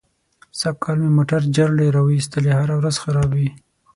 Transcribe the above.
سږ کال مې موټر جرړې را و ایستلې. هره ورځ خراب وي.